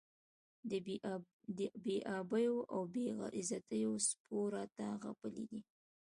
د بې آبیو او بې عزتیو سپو راته غپلي دي.